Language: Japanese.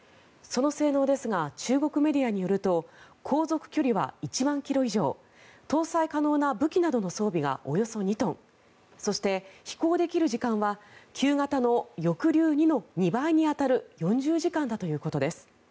その性能ですが中国メディアによると航続距離は１万キロ以上搭載可能な武器などの装備がおよそ２トンそして、飛行できる時間は旧型の翼竜２の２倍に当たる４０時間だということです。